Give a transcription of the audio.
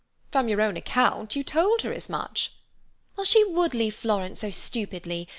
"From your own account, you told her as much." "Well, she would leave Florence so stupidly.